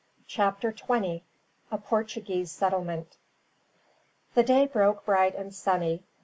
Chapter 20: A Portuguese Settlement. The day broke bright and sunny.